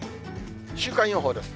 週間予報です。